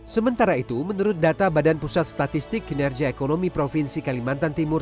sementara itu menurut data badan pusat statistik kinerja ekonomi provinsi kalimantan timur